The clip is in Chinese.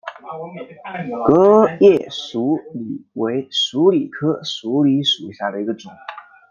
革叶鼠李为鼠李科鼠李属下的一个种。